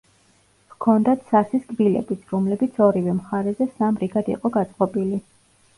ჰქონდათ სასის კბილებიც, რომლებიც ორივე მხარეზე სამ რიგად იყო გაწყობილი.